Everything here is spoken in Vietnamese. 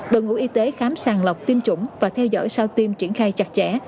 đội ngũ y tế khám sàng lọc tiêm chủng và theo dõi sau tiêm triển khai chặt chẽ